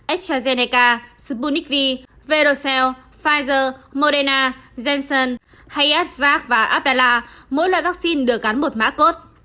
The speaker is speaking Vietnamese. astrazeneca sputnik v verocell pfizer moderna janssen hayes vac và abdala mỗi loại vaccine được gắn một má cốt